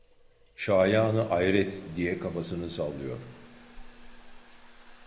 "Şayanı ayret!" diye kafasını sallıyor…